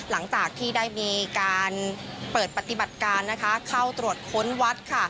หลังจากที่ได้มีการเปิดปฏิบัติการเข้าตรวจค้นวัดค่ะ